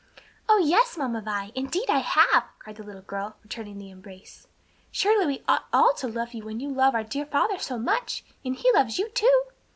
"Oh, yes, Mamma Vi, indeed I have!" cried the little girl, returning the embrace. "Surely we ought all to love you when you love our dear father so much, and he loves you, too."